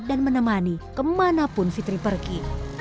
dan menemani kemanapun fitri pergi